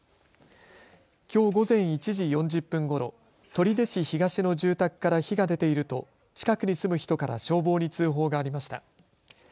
きょう午前１時４０分ごろ、取手市東の住宅から火が出ていると近くに住む人から消防に通報がありました。